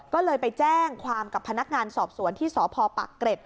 ก็เลยไปแจ้งความกับพนักงานสอบสวนที่สพปักเกร็ด